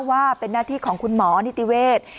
ว่าเป็นหน้าที่ของคุณหมอนิติเวศ